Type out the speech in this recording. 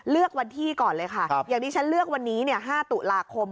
เลือกวันที่ก่อนเลยค่ะอย่างที่ฉันเลือกวันนี้๕ตุลาคม